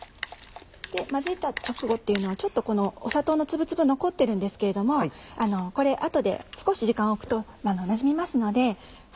混ぜた直後っていうのはちょっとこの砂糖の粒々残ってるんですけれどもこれ少し時間を置くとなじみますのでそ